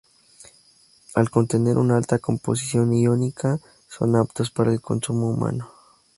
Al contener una alta composición iónica, no son aptas para el consumo humano.